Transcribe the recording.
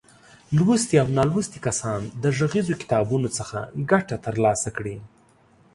لوستي او نالوستي کسان د غږیزو کتابونو څخه ګټه تر لاسه کړي.